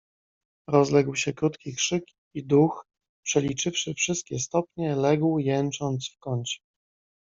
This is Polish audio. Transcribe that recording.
"Rozległ się krótki krzyk i duch, przeliczywszy wszystkie stopnie, legł jęcząc w kącie."